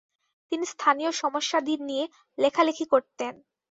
তিনি স্থানীয় সমস্যাদি নিয়ে লেখালেখি করতেন।